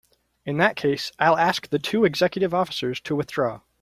In that case I'll ask the two executive officers to withdraw.